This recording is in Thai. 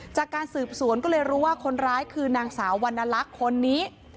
จากการสืบสวนก็เลยรู้ว่าคนร้ายคือนางสาววรรณลักษณ์คนนี้